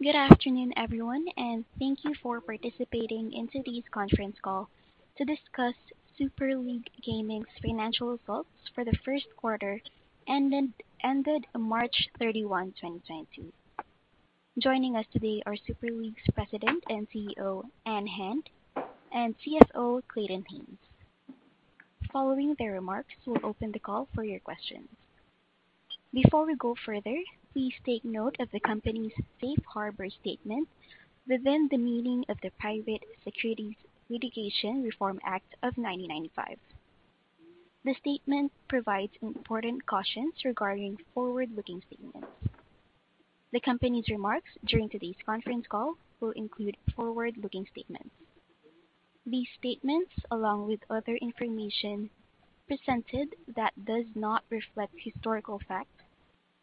Good afternoon, everyone, and thank you for participating in today's conference call to discuss Super League Gaming's financial results for the first quarter ended March 31, 2022. Joining us today are Super League's President and CEO, Ann Hand, and CFO, Clayton Haynes. Following their remarks, we'll open the call for your questions. Before we go further, please take note of the company's safe harbor statement within the meaning of the Private Securities Litigation Reform Act of 1995. The statement provides important cautions regarding forward-looking statements. The company's remarks during today's conference call will include forward-looking statements. These statements, along with other information presented that does not reflect historical facts,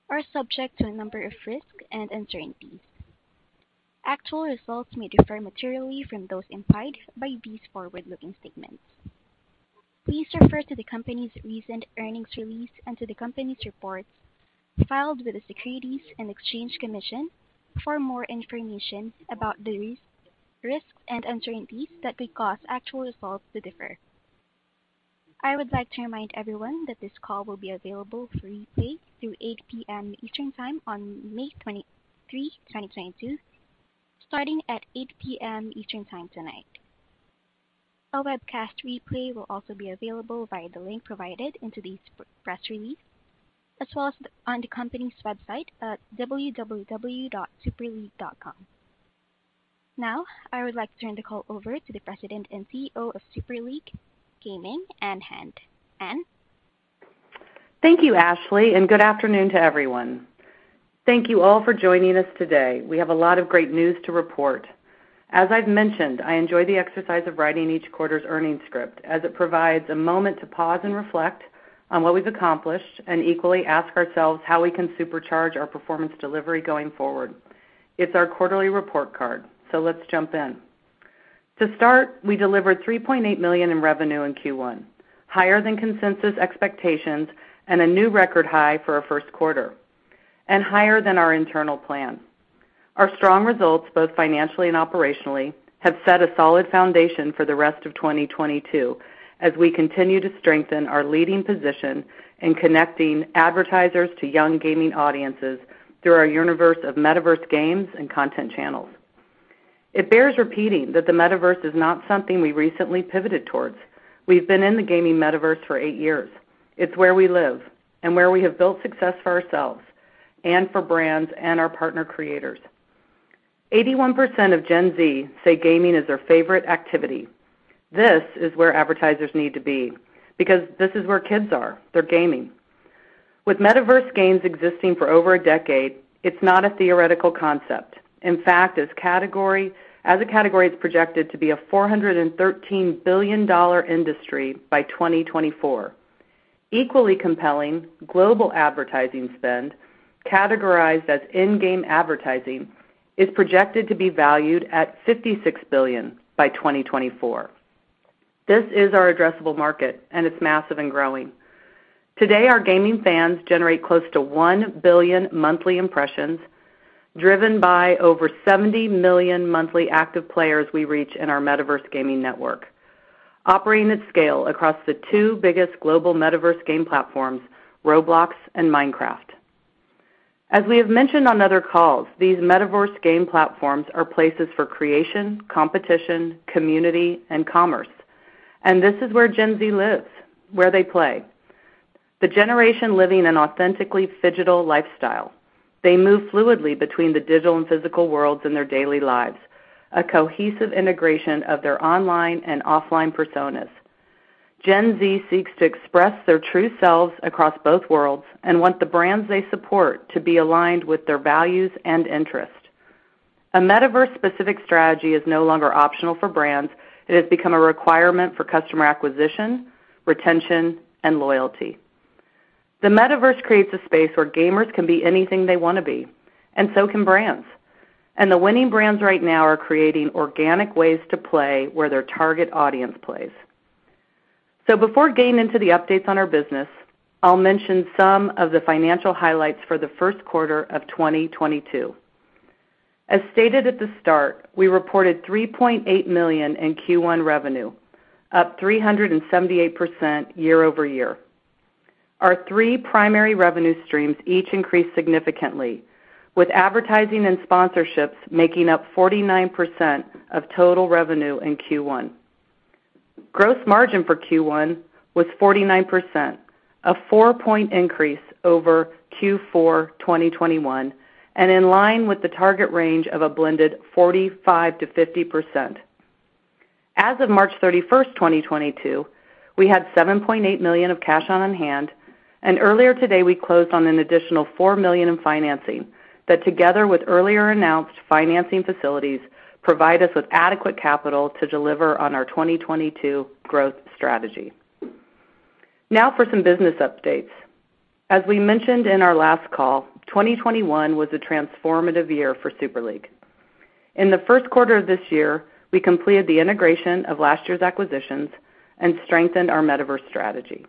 are subject to a number of risks and uncertainties. Actual results may differ materially from those implied by these forward-looking statements. Please refer to the company's recent earnings release and to the company's reports filed with the Securities and Exchange Commission for more information about the risks and uncertainties that could cause actual results to differ. I would like to remind everyone that this call will be available for replay through 8:00 P.M. Eastern time on May 23, 2022, starting at 8:00 P.M. Eastern time tonight. A webcast replay will also be available via the link provided in today's press release, as well as on the company's website at www.superleague.com. Now, I would like to turn the call over to the President and CEO of Super League Gaming, Ann Hand. Ann? Thank you, Ashley, and good afternoon to everyone. Thank you all for joining us today. We have a lot of great news to report. As I've mentioned, I enjoy the exercise of writing each quarter's earnings script as it provides a moment to pause and reflect on what we've accomplished, and equally ask ourselves how we can supercharge our performance delivery going forward. It's our quarterly report card. Let's jump in. To start, we delivered $3.8 million in revenue in Q1, higher than consensus expectations and a new record high for our first quarter, and higher than our internal plan. Our strong results, both financially and operationally, have set a solid foundation for the rest of 2022 as we continue to strengthen our leading position in connecting advertisers to young gaming audiences through our universe of metaverse games and content channels. It bears repeating that the metaverse is not something we recently pivoted towards. We've been in the gaming metaverse for eight years. It's where we live and where we have built success for ourselves and for brands and our partner creators. 81% of Gen Z say gaming is their favorite activity. This is where advertisers need to be because this is where kids are. They're gaming. With metaverse games existing for over a decade, it's not a theoretical concept. In fact, as a category, it's projected to be a $413 billion industry by 2024. Equally compelling, global advertising spend, categorized as in-game advertising, is projected to be valued at $56 billion by 2024. This is our addressable market, and it's massive and growing. Today, our gaming fans generate close to 1 billion monthly impressions, driven by over 70 million monthly active players we reach in our metaverse gaming network, operating at scale across the two biggest global metaverse game platforms, Roblox and Minecraft. As we have mentioned on other calls, these metaverse game platforms are places for creation, competition, community, and commerce. This is where Gen Z lives, where they play. The generation living an authentically phygital lifestyle. They move fluidly between the digital and physical worlds in their daily lives, a cohesive integration of their online and offline personas. Gen Z seeks to express their true selves across both worlds, and want the brands they support to be aligned with their values and interests. A metaverse-specific strategy is no longer optional for brands. It has become a requirement for customer acquisition, retention, and loyalty. The metaverse creates a space where gamers can be anything they want to be, and so can brands. The winning brands right now are creating organic ways to play where their target audience plays. Before getting into the updates on our business, I'll mention some of the financial highlights for the first quarter of 2022. As stated at the start, we reported $3.8 million in Q1 revenue, up 378% year-over-year. Our three primary revenue streams each increased significantly, with advertising and sponsorships making up 49% of total revenue in Q1. Gross margin for Q1 was 49%, a 4-point increase over Q4 2021 and in line with the target range of a blended 45%-50%. As of March 31st, 2022, we had $7.8 million of cash on hand, and earlier today we closed on an additional $4 million in financing that, together with earlier announced financing facilities, provide us with adequate capital to deliver on our 2022 growth strategy. Now for some business updates. As we mentioned in our last call, 2021 was a transformative year for Super League. In the first quarter of this year, we completed the integration of last year's acquisitions and strengthened our metaverse strategy.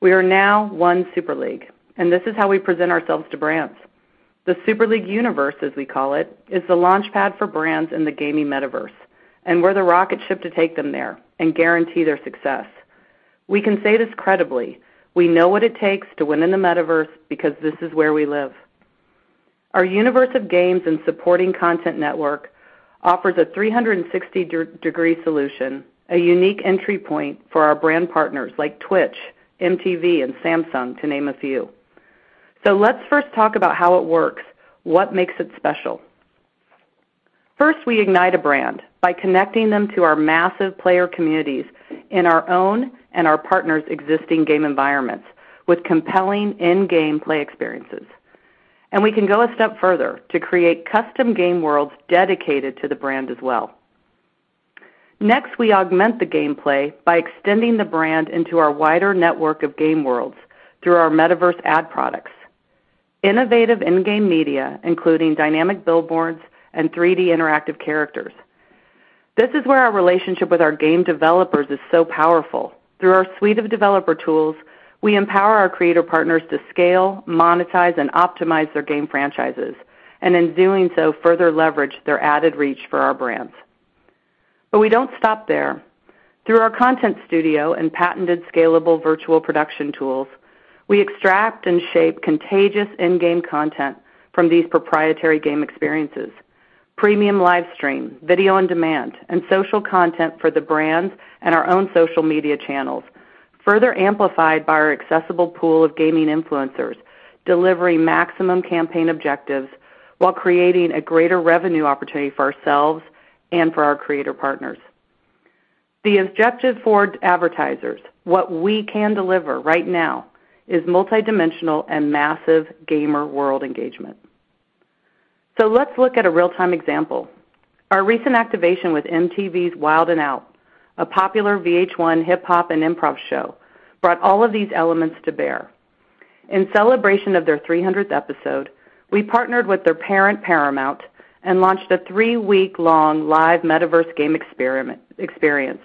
We are now one Super League, and this is how we present ourselves to brands. The Super League universe, as we call it, is the launchpad for brands in the gaming metaverse, and we're the rocket ship to take them there and guarantee their success. We can say this credibly. We know what it takes to win in the metaverse because this is where we live. Our universe of games and supporting content network offers a 360-degree solution, a unique entry point for our brand partners like Twitch, MTV, and Samsung, to name a few. Let's first talk about how it works, what makes it special. First, we ignite a brand by connecting them to our massive player communities in our own and our partners' existing game environments with compelling in-game play experiences. We can go a step further to create custom game worlds dedicated to the brand as well. Next, we augment the gameplay by extending the brand into our wider network of game worlds through our metaverse ad products, innovative in-game media, including dynamic billboards and 3D interactive characters. This is where our relationship with our game developers is so powerful. Through our suite of developer tools, we empower our creator partners to scale, monetize, and optimize their game franchises. In doing so, further leverage their added reach for our brands. We don't stop there. Through our content studio and patented scalable virtual production tools, we extract and shape contagious in-game content from these proprietary game experiences, premium live stream, video on demand, and social content for the brands and our own social media channels, further amplified by our accessible pool of gaming influencers, delivering maximum campaign objectives while creating a greater revenue opportunity for ourselves and for our creator partners. The objective for advertisers, what we can deliver right now, is multidimensional and massive gamer world engagement. Let's look at a real-time example. Our recent activation with MTV's Wild 'N Out, a popular VH1 hip-hop and improv show, brought all of these elements to bear. In celebration of their 300th episode, we partnered with their parent, Paramount, and launched a three-week-long live metaverse game experience,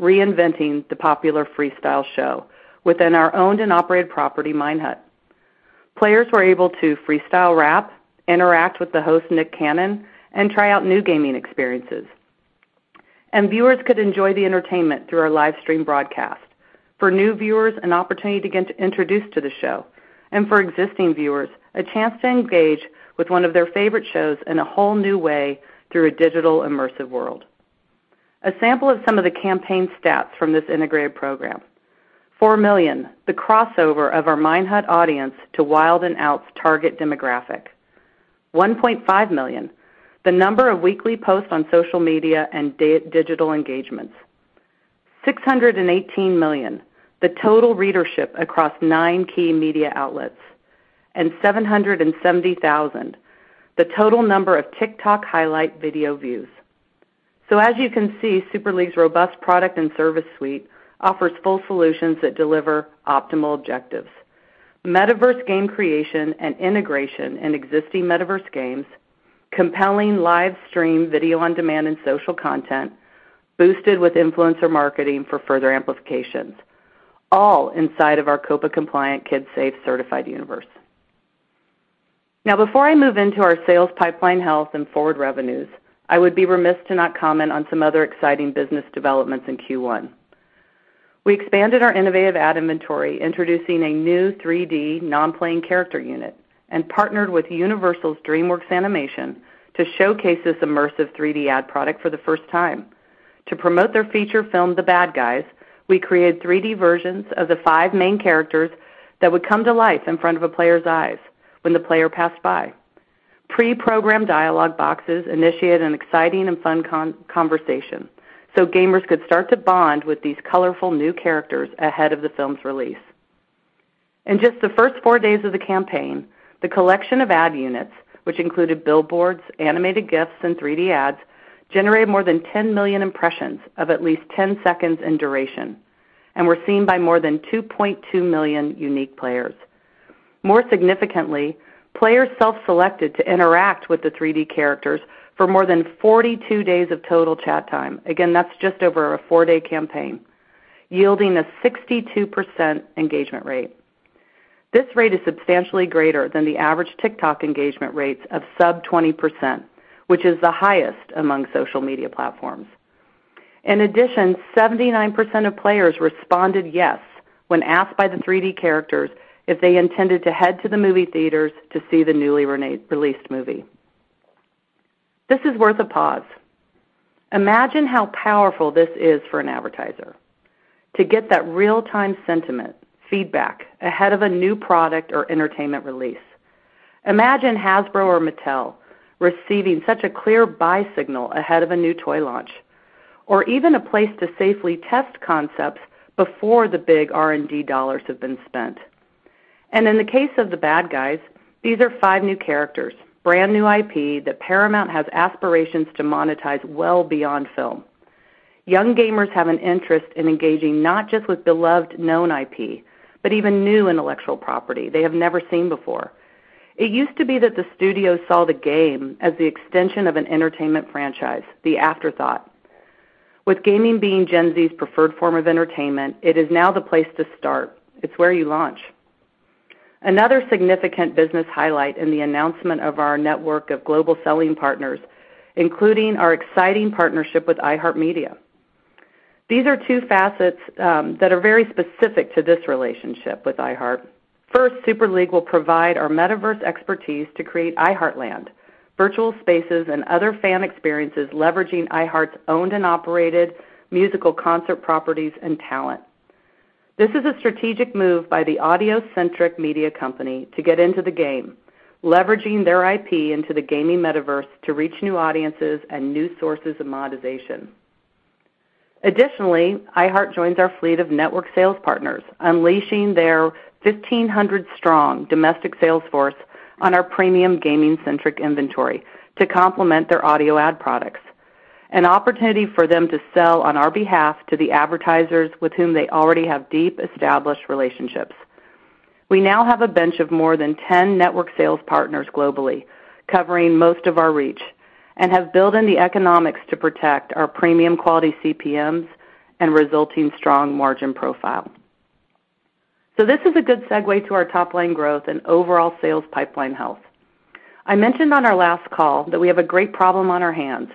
reinventing the popular freestyle show within our owned and operated property, Minehut. Players were able to freestyle rap, interact with the host, Nick Cannon, and try out new gaming experiences. Viewers could enjoy the entertainment through our live stream broadcast. For new viewers, an opportunity to get introduced to the show. For existing viewers, a chance to engage with one of their favorite shows in a whole new way through a digital immersive world. A sample of some of the campaign stats from this integrated program. 4 million, the crossover of our Minehut audience to Wild 'N Out's target demographic. 1.5 million, the number of weekly posts on social media and digital engagements. 618 million, the total readership across nine key media outlets, and 770,000, the total number of TikTok highlight video views. As you can see, Super League's robust product and service suite offers full solutions that deliver optimal objectives. Metaverse game creation and integration in existing metaverse games, compelling live-streamed video on demand and social content boosted with influencer marketing for further amplifications, all inside of our COPPA-compliant, kidSAFE-certified universe. Now, before I move into our sales pipeline health and forward revenues, I would be remiss to not comment on some other exciting business developments in Q1. We expanded our innovative ad inventory, introducing a new 3D non-playing character unit, and partnered with Universal's DreamWorks Animation to showcase this immersive 3D ad product for the first time. To promote their feature film, The Bad Guys, we created 3D versions of the five main characters that would come to life in front of a player's eyes when the player passed by. Pre-programmed dialog boxes initiated an exciting and fun conversation so gamers could start to bond with these colorful new characters ahead of the film's release. In just the first four days of the campaign, the collection of ad units, which included billboards, animated GIFs, and 3D ads, generated more than 10 million impressions of at least 10 seconds in duration and were seen by more than 2.2 million unique players. More significantly, players self-selected to interact with the 3D characters for more than 42 days of total chat time. Again, that's just over a four-day campaign yielding a 62% engagement rate. This rate is substantially greater than the average TikTok engagement rates of sub 20%, which is the highest among social media platforms. In addition, 79% of players responded yes when asked by the 3D characters if they intended to head to the movie theaters to see the newly released movie. This is worth a pause. Imagine how powerful this is for an advertiser to get that real-time sentiment feedback ahead of a new product or entertainment release. Imagine Hasbro or Mattel receiving such a clear buy signal ahead of a new toy launch or even a place to safely test concepts before the big R&D dollars have been spent. In the case of The Bad Guys, these are five new characters, brand-new IP that Paramount has aspirations to monetize well beyond film. Young gamers have an interest in engaging not just with beloved known IP, but even new intellectual property they have never seen before. It used to be that the studio saw the game as the extension of an entertainment franchise, the afterthought. With gaming being Gen Z's preferred form of entertainment, it is now the place to start. It's where you launch. Another significant business highlight in the announcement of our network of global selling partners, including our exciting partnership with iHeartMedia. These are two facets that are very specific to this relationship with iHeart. First, Super League will provide our metaverse expertise to create iHeartLand, virtual spaces and other fan experiences leveraging iHeart's owned and operated musical concert properties and talent. This is a strategic move by the audio-centric media company to get into the game, leveraging their IP into the gaming metaverse to reach new audiences and new sources of monetization. Additionally, iHeart joins our fleet of network sales partners, unleashing their 1,500 strong domestic sales force on our premium gaming-centric inventory to complement their audio ad products, an opportunity for them to sell on our behalf to the advertisers with whom they already have deep, established relationships. We now have a bench of more than 10 network sales partners globally, covering most of our reach, and have built in the economics to protect our premium quality CPMs and resulting strong margin profile. This is a good segue to our top line growth and overall sales pipeline health. I mentioned on our last call that we have a great problem on our hands.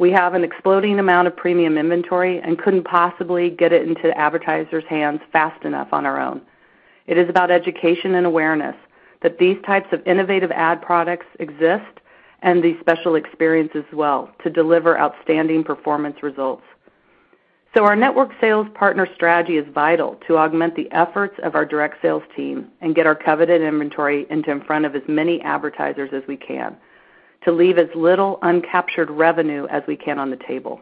We have an exploding amount of premium inventory and couldn't possibly get it into advertisers' hands fast enough on our own. It is about education and awareness that these types of innovative ad products exist, and these special experiences as well to deliver outstanding performance results. Our network sales partner strategy is vital to augment the efforts of our direct sales team and get our coveted inventory into, and in front of as many advertisers as we can to leave as little uncaptured revenue as we can on the table.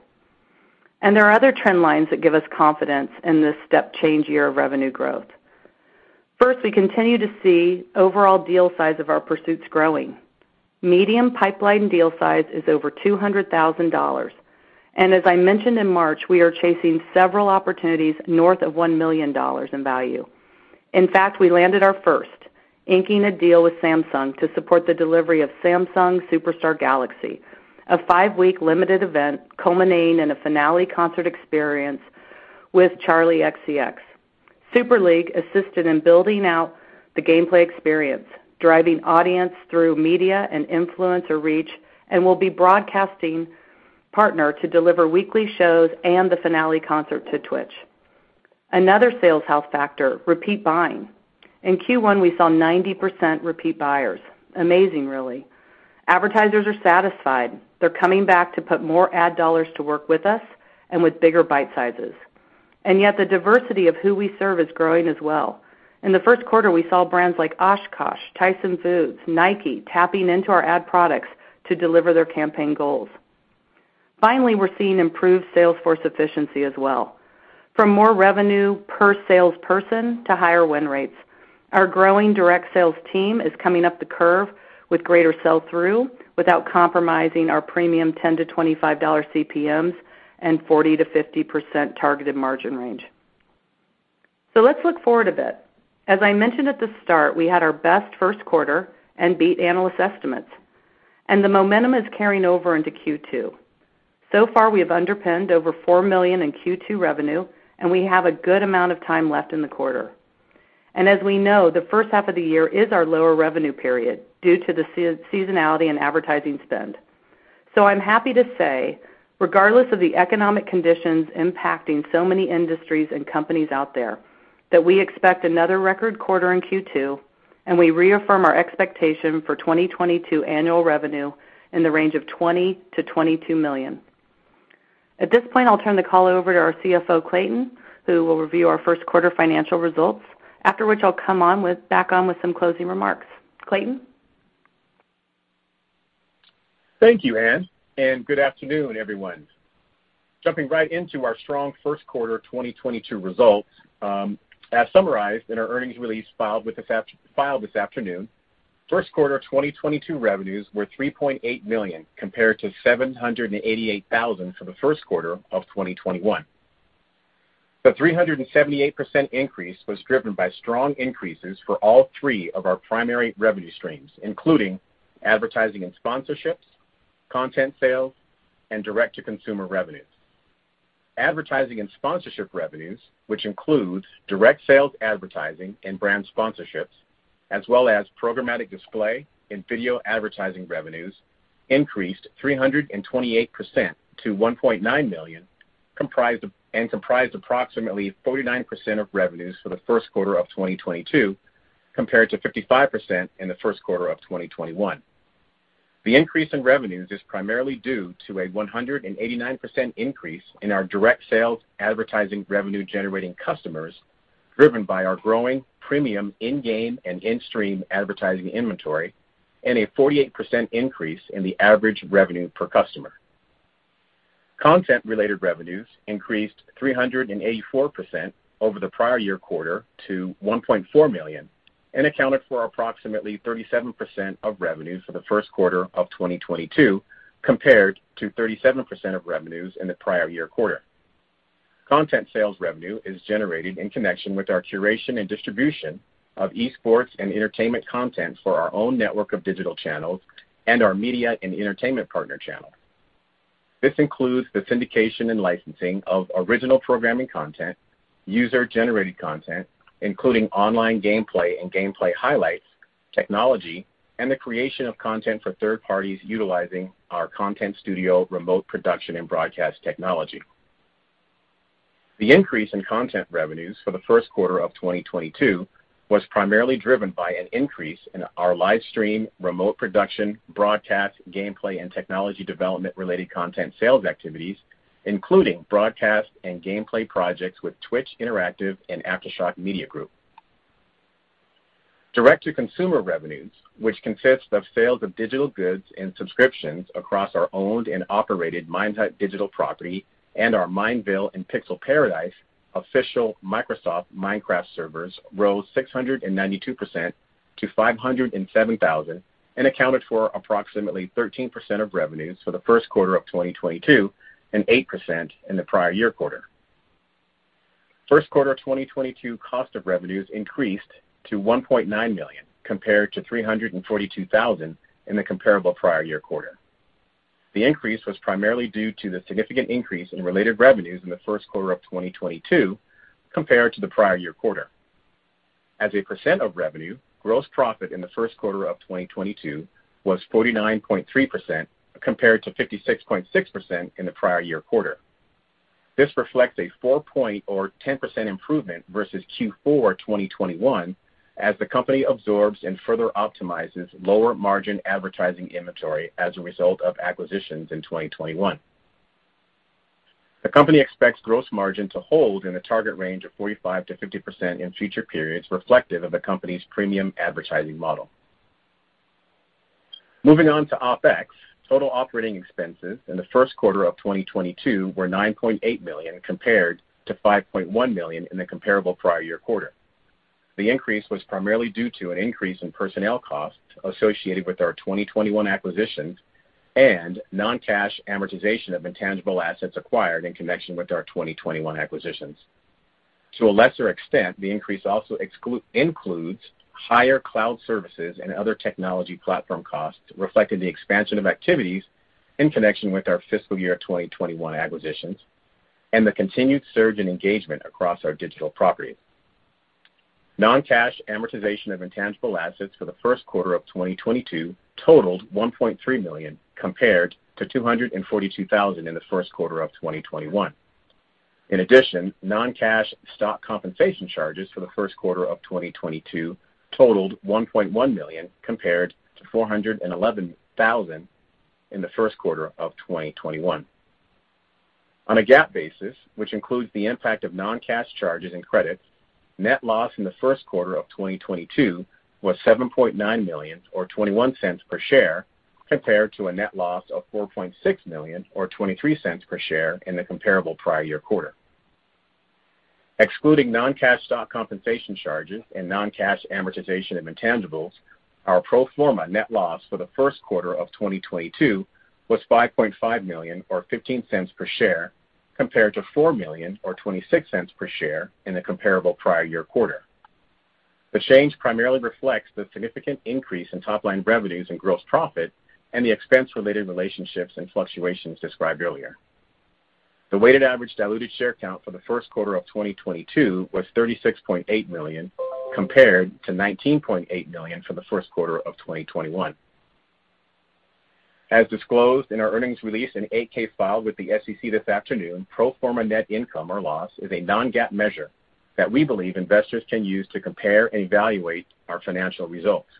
There are other trend lines that give us confidence in this step change year of revenue growth. First, we continue to see overall deal size of our pursuits growing. Medium pipeline deal size is over $200,000. As I mentioned in March, we are chasing several opportunities north of $1 million in value. In fact, we landed our first inking a deal with Samsung to support the delivery of Samsung Superstar Galaxy, a five-week limited event culminating in a finale concert experience with Charli XCX. Super League assisted in building out the gameplay experience, driving audience through media and influencer reach, and will be broadcasting partner to deliver weekly shows and the finale concert to Twitch. Another sales health factor, repeat buying. In Q1, we saw 90% repeat buyers. Amazing, really. Advertisers are satisfied. They're coming back to put more ad dollars to work with us and with bigger bite sizes. Yet the diversity of who we serve is growing as well. In the first quarter, we saw brands like OshKosh, Tyson Foods, Nike, tapping into our ad products to deliver their campaign goals. Finally, we're seeing improved sales force efficiency as well. From more revenue per salesperson to higher win rates, our growing direct sales team is coming up the curve with greater sell-through without compromising our premium $10-$25 CPMs and 40%-50% targeted margin range. Let's look forward a bit. As I mentioned at the start, we had our best first quarter and beat analyst estimates, and the momentum is carrying over into Q2. So far, we have underpinned over $4 million in Q2 revenue, and we have a good amount of time left in the quarter. As we know, the first half of the year is our lower revenue period due to the seasonality in advertising spend. I'm happy to say, regardless of the economic conditions impacting so many industries and companies out there, that we expect another record quarter in Q2, and we reaffirm our expectation for 2022 annual revenue in the range of $20-$22 million. At this point, I'll turn the call over to our CFO, Clayton, who will review our first quarter financial results. After which, I'll come back on with some closing remarks. Clayton? Thank you, Ann, and good afternoon, everyone. Jumping right into our strong first quarter 2022 results, as summarized in our earnings release filed this afternoon, first quarter 2022 revenues were $3.8 million, compared to $788,000 for the first quarter of 2021. The 378% increase was driven by strong increases for all three of our primary revenue streams, including advertising and sponsorships, content sales, and direct-to-consumer revenues. Advertising and sponsorship revenues, which includes direct sales advertising and brand sponsorships, as well as programmatic display and video advertising revenues, increased 328% to $1.9 million, and comprised approximately 49% of revenues for the first quarter of 2022, compared to 55% in the first quarter of 2021. The increase in revenues is primarily due to a 189% increase in our direct sales advertising revenue generating customers, driven by our growing premium in-game and in-stream advertising inventory, and a 48% increase in the average revenue per customer. Content-related revenues increased 384% over the prior year quarter to $1.4 million, and accounted for approximately 37% of revenues for the first quarter of 2022, compared to 37% of revenues in the prior year quarter. Content sales revenue is generated in connection with our curation and distribution of esports and entertainment content for our own network of digital channels and our media and entertainment partner channel. This includes the syndication and licensing of original programming content, user-generated content, including online gameplay and gameplay highlights, technology, and the creation of content for third parties utilizing our content studio, remote production, and broadcast technology. The increase in content revenues for the first quarter of 2022 was primarily driven by an increase in our live stream, remote production, broadcast, gameplay, and technology development-related content sales activities, including broadcast and gameplay projects with Twitch Interactive and Aftershock Media Group. Direct-to-consumer revenues, which consist of sales of digital goods and subscriptions across our owned and operated Minehut digital property and our Mineville and Pixel Paradise official Microsoft Minecraft servers, rose 692% to $507,000, and accounted for approximately 13% of revenues for the first quarter of 2022, and 8% in the prior year quarter. First quarter of 2022 cost of revenues increased to $1.9 million compared to $342,000 in the comparable prior year quarter. The increase was primarily due to the significant increase in related revenues in the first quarter of 2022 compared to the prior year quarter. As a percent of revenue, gross profit in the first quarter of 2022 was 49.3% compared to 56.6% in the prior year quarter. This reflects a 4-point or 10% improvement versus Q4 2021 as the company absorbs and further optimizes lower margin advertising inventory as a result of acquisitions in 2021. The company expects gross margin to hold in the target range of 45%-50% in future periods reflective of the company's premium advertising model. Moving on to OpEx, total operating expenses in the first quarter of 2022 were $9.8 million compared to $5.1 million in the comparable prior year quarter. The increase was primarily due to an increase in personnel costs associated with our 2021 acquisitions and non-cash amortization of intangible assets acquired in connection with our 2021 acquisitions. To a lesser extent, the increase also includes higher cloud services and other technology platform costs, reflecting the expansion of activities in connection with our fiscal year 2021 acquisitions, and the continued surge in engagement across our digital properties. Non-cash amortization of intangible assets for the first quarter of 2022 totaled $1.3 million compared to $242,000 in the first quarter of 2021. In addition, non-cash stock compensation charges for the first quarter of 2022 totaled $1.1 million compared to $411,000 in the first quarter of 2021. On a GAAP basis, which includes the impact of non-cash charges and credits, net loss in the first quarter of 2022 was $7.9 million or $0.21 per share, compared to a net loss of $4.6 million or $0.23 per share in the comparable prior year quarter. Excluding non-cash stock compensation charges and non-cash amortization and intangibles, our pro forma net loss for the first quarter of 2022 was $5.5 million or $0.15 per share, compared to $4 million or $0.26 per share in the comparable prior year quarter. The change primarily reflects the significant increase in top-line revenues and gross profit and the expense-related relationships and fluctuations described earlier. The weighted average diluted share count for the first quarter of 2022 was $36.8 million compared to $19.8 million for the first quarter of 2021. As disclosed in our earnings release and 8-K filed with the SEC this afternoon, pro forma net income or loss is a non-GAAP measure that we believe investors can use to compare and evaluate our financial results.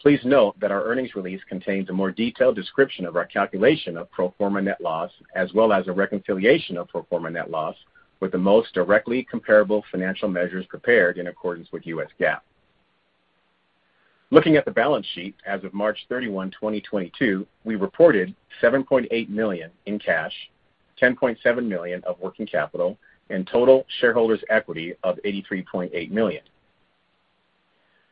Please note that our earnings release contains a more detailed description of our calculation of pro forma net loss as well as a reconciliation of pro forma net loss with the most directly comparable financial measures prepared in accordance with US GAAP. Looking at the balance sheet as of March 31, 2022, we reported $7.8 million in cash, $10.7 million of working capital, and total shareholders equity of $83.8 million.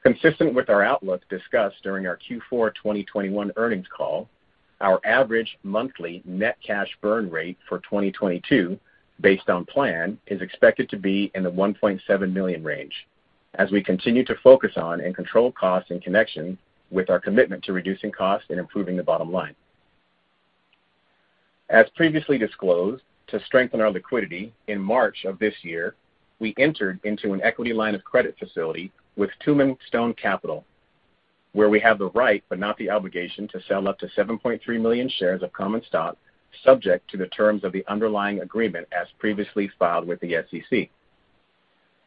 Consistent with our outlook discussed during our Q4 2021 earnings call, our average monthly net cash burn rate for 2022, based on plan, is expected to be in the $1.7 million range as we continue to focus on and control costs in connection with our commitment to reducing costs and improving the bottom line. As previously disclosed, to strengthen our liquidity, in March of this year, we entered into an equity line of credit facility with Tumim Stone Capital, where we have the right, but not the obligation, to sell up to $7.3 million shares of common stock subject to the terms of the underlying agreement as previously filed with the SEC.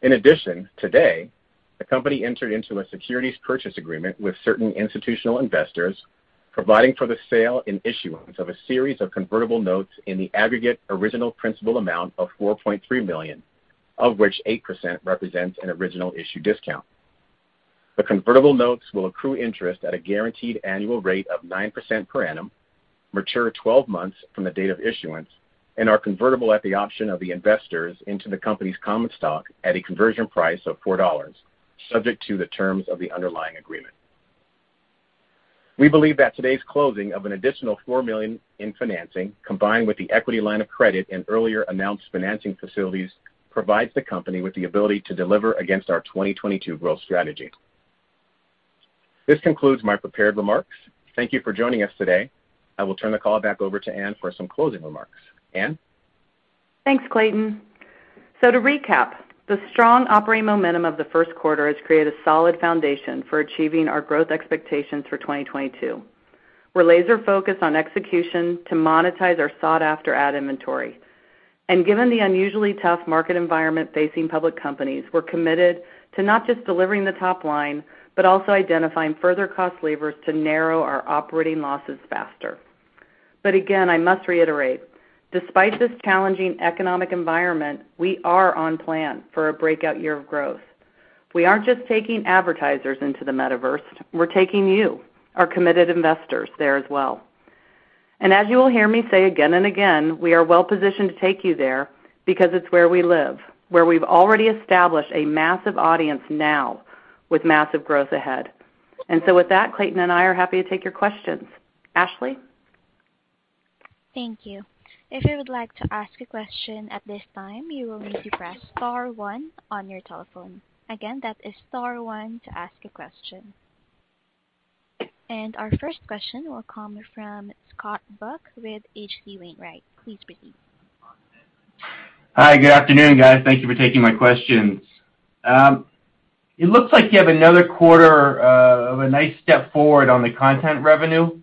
In addition, today, the company entered into a securities purchase agreement with certain institutional investors providing for the sale and issuance of a series of convertible notes in the aggregate original principal amount of $4.3 million, of which 8% represents an original issue discount. The convertible notes will accrue interest at a guaranteed annual rate of 9% per annum, mature 12 months from the date of issuance, and are convertible at the option of the investors into the company's common stock at a conversion price of $4, subject to the terms of the underlying agreement. We believe that today's closing of an additional $4 million in financing, combined with the equity line of credit and earlier announced financing facilities, provides the company with the ability to deliver against our 2022 growth strategy. This concludes my prepared remarks. Thank you for joining us today. I will turn the call back over to Ann for some closing remarks. Ann? Thanks, Clayton. To recap, the strong operating momentum of the first quarter has created a solid foundation for achieving our growth expectations for 2022. We're laser focused on execution to monetize our sought-after ad inventory. Given the unusually tough market environment facing public companies, we're committed to not just delivering the top line, but also identifying further cost levers to narrow our operating losses faster. Again, I must reiterate, despite this challenging economic environment, we are on plan for a breakout year of growth. We aren't just taking advertisers into the Metaverse, we're taking you, our committed investors there as well. As you will hear me say again and again, we are well-positioned to take you there because it's where we live, where we've already established a massive audience now with massive growth ahead. With that, Clayton and I are happy to take your questions. Ashley? Thank you. If you would like to ask a question at this time, you will need to press star one on your telephone. Again, that is star one to ask a question. Our first question will come from Scott Buck with H.C. Wainwright. Please proceed. Hi, good afternoon, guys. Thank you for taking my questions. It looks like you have another quarter of a nice step forward on the content revenue.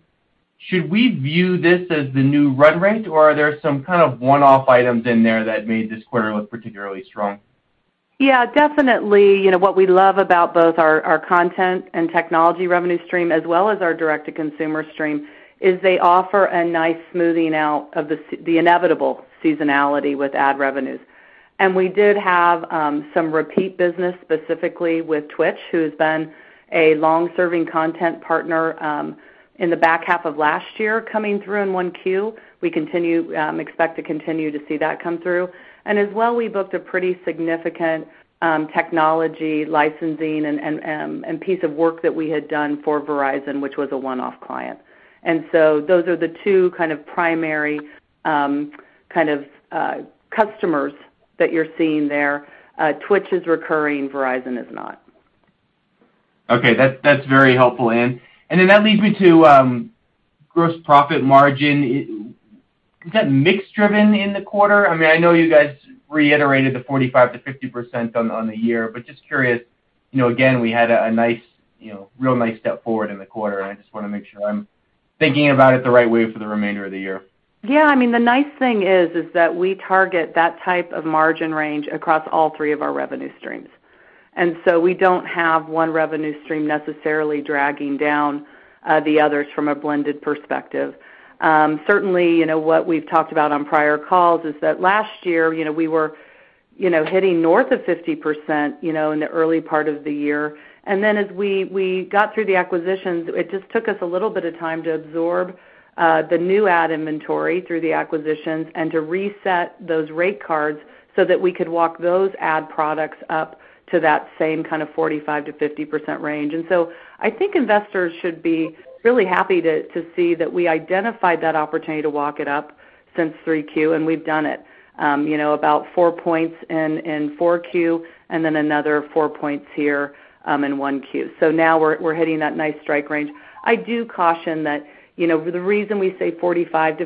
Should we view this as the new run rate, or are there some kind of one-off items in there that made this quarter look particularly strong? Yeah, definitely. You know, what we love about both our content and technology revenue stream, as well as our direct-to-consumer stream, is they offer a nice smoothing out of the inevitable seasonality with ad revenues. We did have some repeat business, specifically with Twitch, who's been a long-serving content partner in the back half of last year coming through in Q1. We continue to expect to continue to see that come through. As well, we booked a pretty significant technology licensing and piece of work that we had done for Verizon, which was a one-off client. Those are the two kind of primary kind of customers that you're seeing there. Twitch is recurring, Verizon is not. Okay. That's very helpful, Ann. That leads me to gross profit margin. Is that mix-driven in the quarter? I mean, I know you guys reiterated the 45%-50% on the year, but just curious. You know, again, we had a nice, you know, real nice step forward in the quarter, and I just wanna make sure I'm thinking about it the right way for the remainder of the year. Yeah, I mean, the nice thing is that we target that type of margin range across all three of our revenue streams. We don't have one revenue stream necessarily dragging down the others from a blended perspective. Certainly, you know, what we've talked about on prior calls is that last year, you know, we were, you know, hitting north of 50% in the early part of the year. As we got through the acquisitions, it just took us a little bit of time to absorb the new ad inventory through the acquisitions and to reset those rate cards so that we could walk those ad products up to that same kind of 45%-50% range. I think investors should be really happy to see that we identified that opportunity to walk it up since 3Q, and we've done it, you know, about 4 points in 4Q, and then another 4 points here in 1Q. Now we're hitting that nice strike range. I do caution that, you know, the reason we say 45%-50%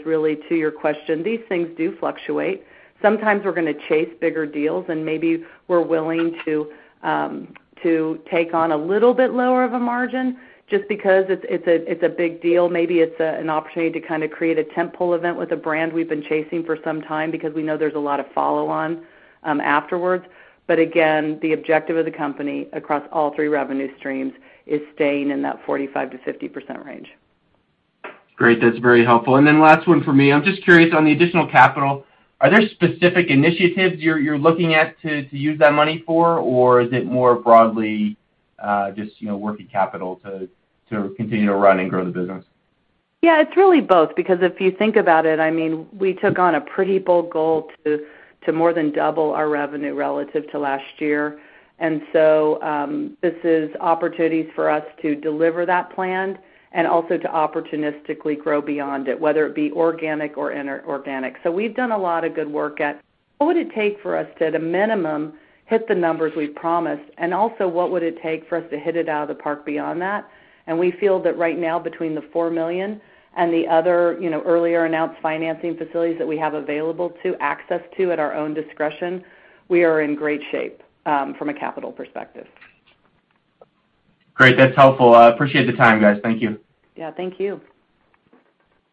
is really to your question. These things do fluctuate. Sometimes we're gonna chase bigger deals, and maybe we're willing to take on a little bit lower of a margin just because it's a big deal. Maybe it's an opportunity to kinda create a tentpole event with a brand we've been chasing for some time because we know there's a lot of follow-on afterwards. Again, the objective of the company across all three revenue streams is staying in that 45%-50% range. Great. That's very helpful. Last one for me. I'm just curious on the additional capital. Are there specific initiatives you're looking at to use that money for? Or is it more broadly, just, you know, working capital to continue to run and grow the business? Yeah, it's really both. Because if you think about it, I mean, we took on a pretty bold goal to more than double our revenue relative to last year. This is opportunities for us to deliver that plan, and also to opportunistically grow beyond it, whether it be organic or inorganic. We've done a lot of good work at what would it take for us to, at a minimum, hit the numbers we've promised, and also what would it take for us to hit it out of the park beyond that. We feel that right now, between the $4 million and the other, you know, earlier announced financing facilities that we have available to access to at our own discretion, we are in great shape from a capital perspective. Great. That's helpful. I appreciate the time, guys. Thank you. Yeah, thank you.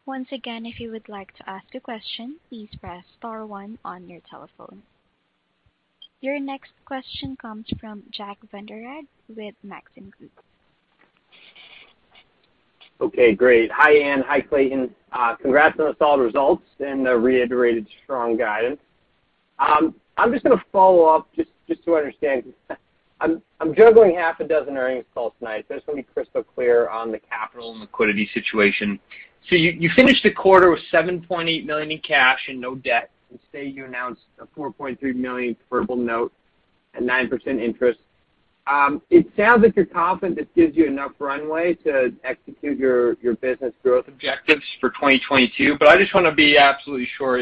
Once again, if you would like to ask a question, please press star one on your telephone. Your next question comes from Jack Vander Aarde with Maxim Group. Okay, great. Hi, Ann. Hi, Clayton. Congrats on the solid results and the reiterated strong guidance. I'm just gonna follow up to understand. I'm juggling half a dozen earnings calls tonight, so just wanna be crystal clear on the capital and liquidity situation. You finished the quarter with $7.8 million in cash and no debt, and as you announced a $4.3 million convertible note At 9% interest. It sounds like you're confident this gives you enough runway to execute your business growth objectives for 2022, but I just wanna be absolutely sure.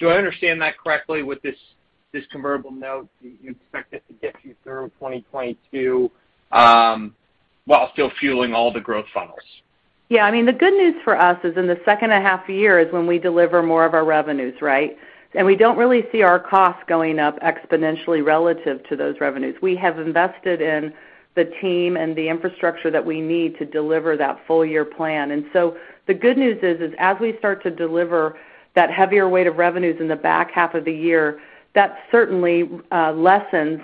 Do I understand that correctly with this convertible note? Do you expect it to get you through 2022 while still fueling all the growth funnels? Yeah. I mean, the good news for us is in the second half year is when we deliver more of our revenues, right? We don't really see our costs going up exponentially relative to those revenues. We have invested in the team and the infrastructure that we need to deliver that full year plan. The good news is as we start to deliver that heavier weight of revenues in the back half of the year, that certainly lessens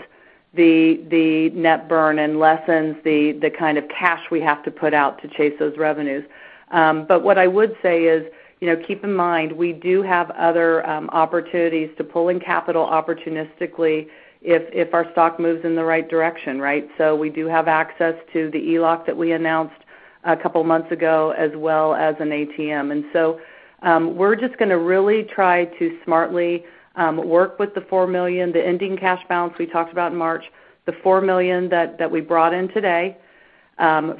the net burn and lessens the kind of cash we have to put out to chase those revenues. What I would say is, you know, keep in mind, we do have other opportunities to pull in capital opportunistically if our stock moves in the right direction, right? We do have access to the ELOC that we announced a couple months ago, as well as an ATM. We're just gonna really try to smartly work with the $4 million, the ending cash balance we talked about in March, the $4 million that we brought in today,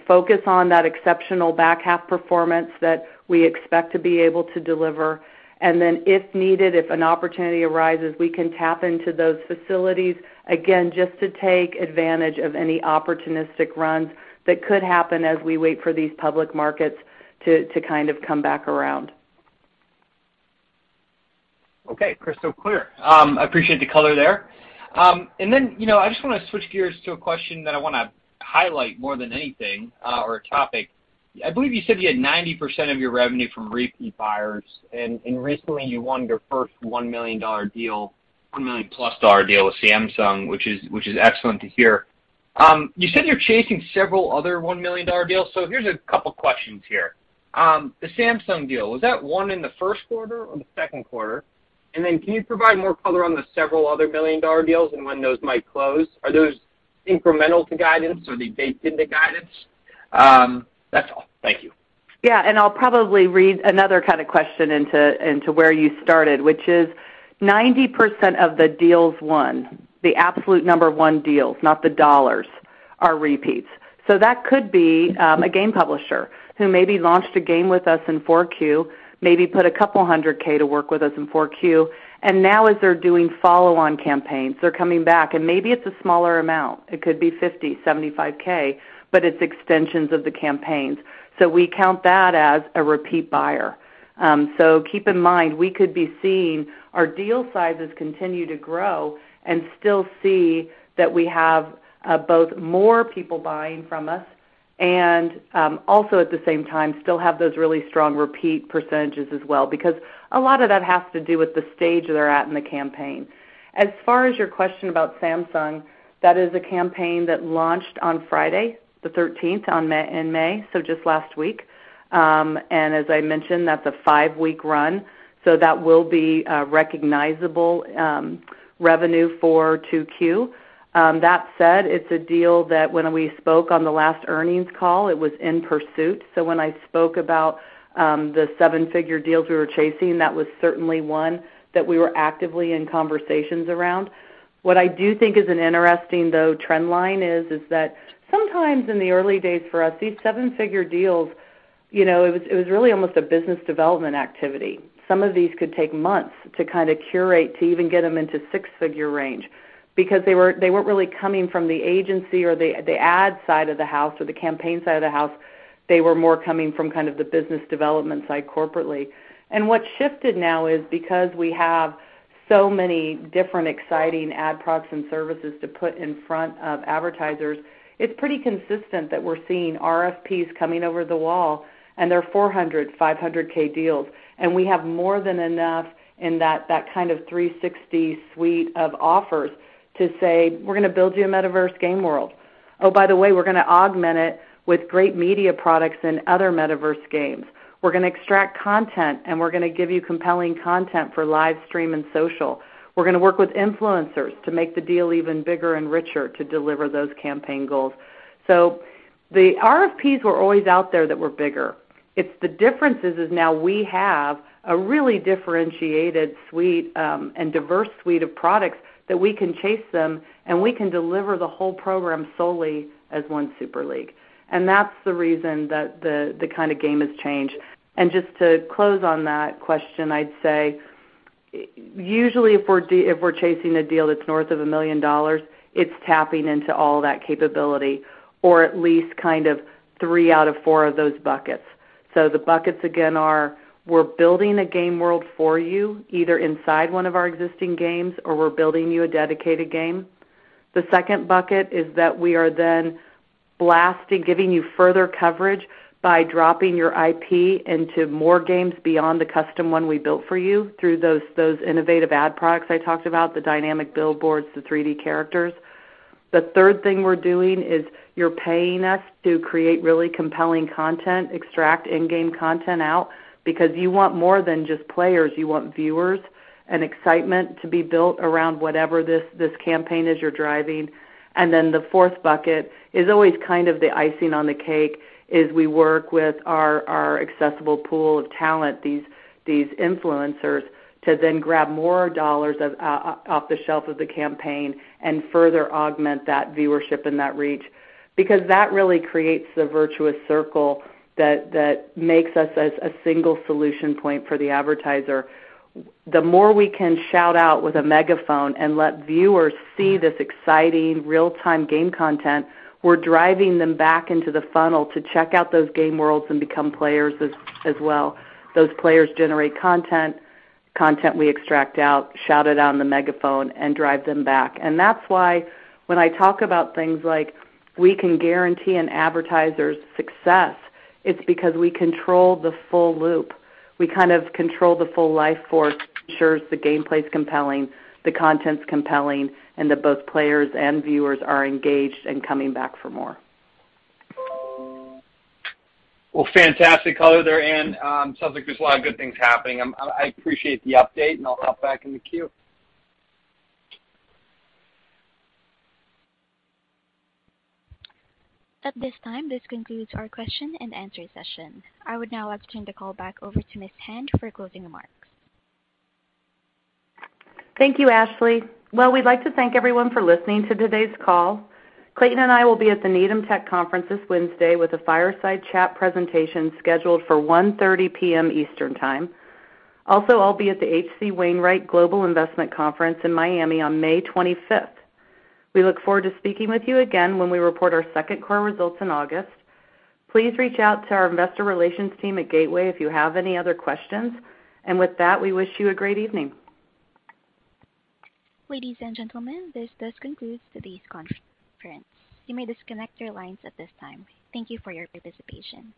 focus on that exceptional back half performance that we expect to be able to deliver. If needed, if an opportunity arises, we can tap into those facilities, again, just to take advantage of any opportunistic runs that could happen as we wait for these public markets to kind of come back around. Okay. Crystal clear. Appreciate the color there. And then, you know, I just wanna switch gears to a question that I wanna highlight more than anything, or a topic. I believe you said you had 90% of your revenue from repeat buyers. And recently you won your first $1 million deal, $1 million+ deal with Samsung, which is excellent to hear. You said you're chasing several other $1 million deals. So here's a couple questions here. The Samsung deal, was that won in the first quarter or the second quarter? And then can you provide more color on the several other million dollar deals, and when those might close? Are those incremental to guidance? Are they baked into guidance? That's all. Thank you. Yeah. I'll probably read another kind of question into where you started, which is 90% of the deals won, the absolute number one deals, not the dollars, are repeats. That could be a game publisher who maybe launched a game with us in Q4, maybe put a couple $100,000 to work with us in Q4. Now as they're doing follow-on campaigns, they're coming back, and maybe it's a smaller amount, it could be $50,000, $75, 000, but it's extensions of the campaigns. We count that as a repeat buyer. Keep in mind, we could be seeing our deal sizes continue to grow and still see that we have both more people buying from us and also at the same time, still have those really strong repeat percentages as well, because a lot of that has to do with the stage they're at in the campaign. As far as your question about Samsung, that is a campaign that launched on Friday the thirteenth in May, so just last week. And as I mentioned, that's a five-week run, so that will be a recognizable revenue for 2Q. That said, it's a deal that when we spoke on the last earnings call, it was in pursuit. When I spoke about the seven-figure deals we were chasing, that was certainly one that we were actively in conversations around. What I do think is an interesting though trend line is that sometimes in the early days for us, these seven-figure deals, you know, it was really almost a business development activity. Some of these could take months to kind of curate, to even get them into six-figure range because they weren't really coming from the agency or the ad side of the house or the campaign side of the house. They were more coming from kind of the business development side corporately. What shifted now is because we have so many different exciting ad products and services to put in front of advertisers, it's pretty consistent that we're seeing RFPs coming over the wall, and they're $400,000, $500,000 deals. We have more than enough in that kind of 360 suite of offers to say, "We're gonna build you a metaverse game world. Oh, by the way, we're gonna augment it with great media products and other metaverse games. We're gonna extract content, and we're gonna give you compelling content for live stream and social. We're gonna work with influencers to make the deal even bigger and richer to deliver those campaign goals." The RFPs were always out there that were bigger. It's the differences is now we have a really differentiated suite, and diverse suite of products that we can chase them, and we can deliver the whole program solely as one Super League. That's the reason that the kind of game has changed. Just to close on that question, I'd say usually if we're chasing a deal that's north of $1 million, it's tapping into all that capability, or at least kind of three out of four of those buckets. The buckets again are, we're building a game world for you, either inside one of our existing games or we're building you a dedicated game. The second bucket is that we are then blasting, giving you further coverage by dropping your IP into more games beyond the custom one we built for you through those innovative ad products I talked about, the dynamic billboards, the 3D characters. The third thing we're doing is you're paying us to create really compelling content, extract in-game content out because you want more than just players. You want viewers and excitement to be built around whatever this campaign is you're driving. Then the fourth bucket is always kind of the icing on the cake, is we work with our accessible pool of talent, these influencers to then grab more dollars off the shelf of the campaign, and further augment that viewership and that reach, because that really creates the virtuous circle that makes us as a single solution point for the advertiser. The more we can shout out with a megaphone and let viewers see this exciting real-time game content, we're driving them back into the funnel to check out those game worlds and become players as well. Those players generate content we extract out, shout it out on the megaphone and drive them back. That's why when I talk about things like we can guarantee an advertiser's success, it's because we control the full loop. We kind of control the full lifecycle ensures the gameplay's compelling, the content's compelling, and that both players and viewers are engaged and coming back for more. Well, fantastic color there, Ann. Sounds like there's a lot of good things happening. I appreciate the update, and I'll hop back in the queue. At this time, this concludes our question and answer session. I would now like to turn the call back over to Ms. Hand for closing remarks. Thank you, Ashley. Well, we'd like to thank everyone for listening to today's call. Clayton and I will be at the Needham Tech Conference this Wednesday with a fireside chat presentation scheduled for 1:30 P.M. Eastern time. Also, I'll be at the H.C. Wainwright Global Investment Conference in Miami on May 25th. We look forward to speaking with you again when we report our second quarter results in August. Please reach out to our investor relations team at Gateway Group if you have any other questions. With that, we wish you a great evening. Ladies and gentlemen, this does conclude today's conference. You may disconnect your lines at this time. Thank you for your participation.